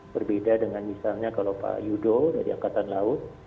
berbeda dengan misalnya kalau pak yudo dari angkatan laut